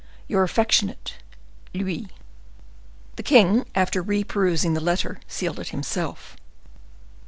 —Your affectionate LOUIS." The king, after reperusing the letter, sealed it himself.